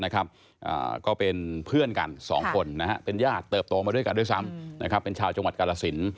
ก็เป็นเพื่อนกัน๒คนเป็นญาติเติบโตมาด้วยกันด้วยซ้ำเป็นชาวจังหวัดกาลสิน